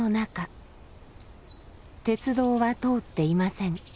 鉄道は通っていません。